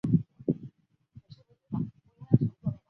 宽额短额鲆为辐鳍鱼纲鲽形目鲽亚目鲆科短额鲆属的鱼类。